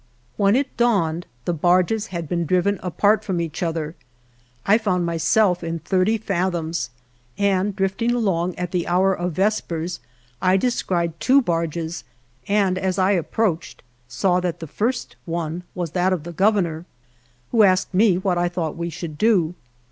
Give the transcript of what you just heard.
When it dawned the barges had been driven apart from each other. I found myself in thirty fathoms and, drifting along at the hour of vespers, I descried two barges, and as I approached saw that the first one was that of the Gov ernor, who asked me what I thought we should do.